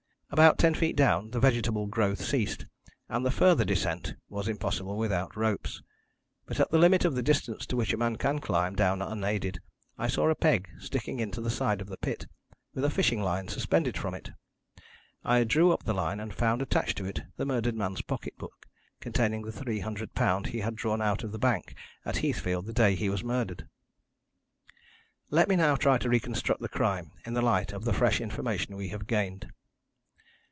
About ten feet down the vegetable growth ceased, and the further descent was impossible without ropes. But at the limit of the distance to which a man can climb down unaided, I saw a peg sticking into the side of the pit, with a fishing line suspended from it. I drew up the line, and found attached to it the murdered man's pocket book containing the £300 he had drawn out of the bank at Heathfield the day he was murdered. "Let me now try to reconstruct the crime in the light of the fresh information we have gained.